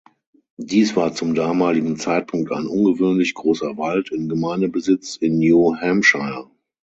Dies war zum damaligen Zeitpunkt ein ungewöhnlich großer Wald in Gemeindebesitz in New Hampshire.